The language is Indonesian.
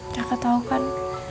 kakak tau kan